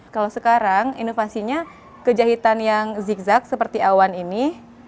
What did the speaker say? kalau sekarang inovasinya kejahitan yang zigzag seperti awan ini